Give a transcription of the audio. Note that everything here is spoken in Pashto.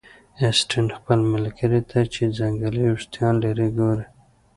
اسټین خپل ملګري ته چې ځنګلي ویښتان لري ګوري